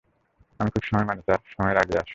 আমি খুব সময় মানি স্যার, সবসময় আগেই আসি।